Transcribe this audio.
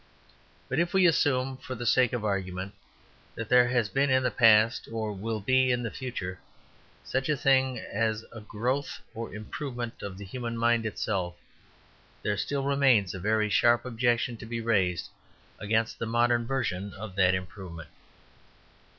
But if we assume, for the sake of argument, that there has been in the past, or will be in the future, such a thing as a growth or improvement of the human mind itself, there still remains a very sharp objection to be raised against the modern version of that improvement.